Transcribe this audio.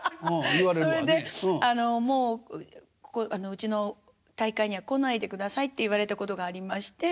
それであの「もううちの大会には来ないでください」って言われたことがありまして。